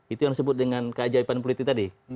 itu yang disebut dengan keajaiban politik tadi